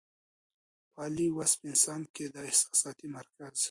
پۀ عالي وصف انسان کې د احساساتي مرکز